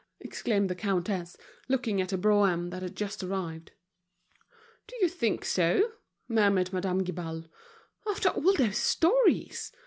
exclaimed the countess, looking at a brougham that had just arrived. "Do you think so?" murmured Madame Guibal. "After all those stories!